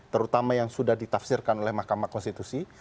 terutama yang sudah ditafsirkan oleh mahkamah konstitusi